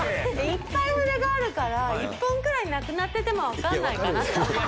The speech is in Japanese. いっぱい筆があるから、１本くらいなくなってても分からないかなと。